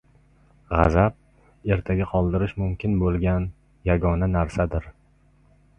Gʻazab ertaga qoldirish mumkin boʻlgan yagona narsadir.